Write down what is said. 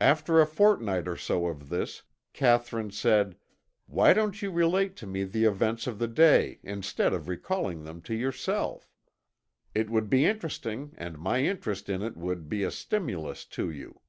After a fortnight or so of this, Catherine said 'why don't you relate to me the events of the day instead of recalling them to yourself? It would be interesting and my interest in it would be a stimulus to you.'